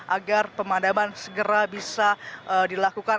agar pemadaman segera bisa dilakukan